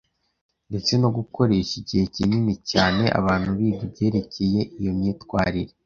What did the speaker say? ndetse no gukoresha igihe kinini cyane abantu biga ibyerekeye iyo myitwarire